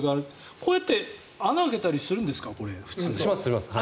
こうやって穴を開けたりするんですか普通？